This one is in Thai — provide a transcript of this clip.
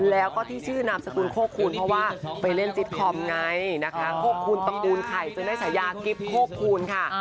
แล้วก็ที่ชื่อนามสกุลโคคคูณเพราะว่าไปเล่นจิตคอมไงนะคะ